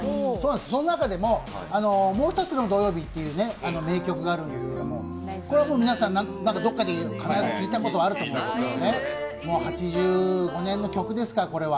その中でも、「もうひとつの土曜日」という名曲があるんですけど、どこかで聴いたことあると思いますけど、８５年の曲ですか、これは。